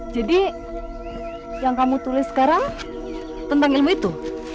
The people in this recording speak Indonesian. jadi yang kamu tulis sekarang tentang ilmu itu